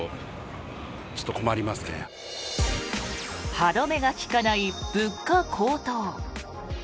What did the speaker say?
歯止めが利かない物価高騰。